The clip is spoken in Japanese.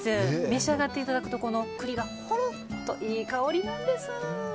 召し上がっていただくと栗がほろっといい香りなんです。